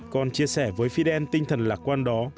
còn chia sẻ với fidel tinh thần lạc quan đó